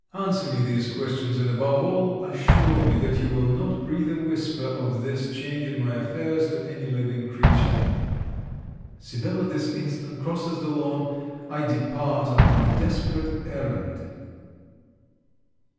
Answer me these questions, and above all, assure me that you will not breathe a whisper of this change in my affairs to any living creature. Sibella this instant crosses the lawn, I depart on my desperate errand.